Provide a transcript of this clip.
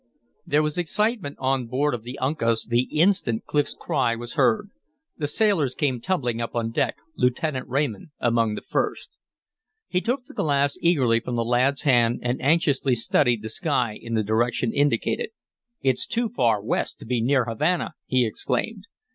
There was excitement on board of the Uncas the instant Clif's cry was heard. The sailors came tumbling up on deck, Lieutenant Raymond among the first. He took the glass eagerly from the lad's hand and anxiously studied the sky in the direction indicated. "It's too far west to be near Havana!" he exclaimed.